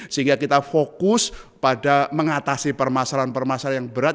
sehingga kita fokus pada mengatasi permasalahan permasalahan yang berat